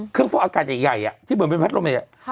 เครื่องฟอกอากาศใหญ่ที่เหมือนเป็นพัดลมนี้